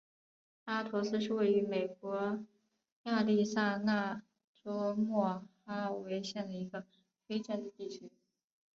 阿陀斯是位于美国亚利桑那州莫哈维县的一个非建制地区。